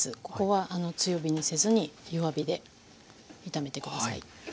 ここは強火にせずに弱火で炒めて下さい。